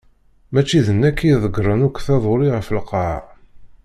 Mačči d nekk i iḍeggren akk taduli ɣef lqaɛa.